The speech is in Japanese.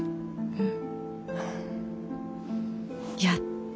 うん。